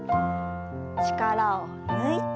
力を抜いて。